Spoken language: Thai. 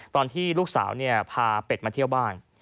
ตอนที่ลูกสาวพาเป็ดมาเที่ยวบ้าน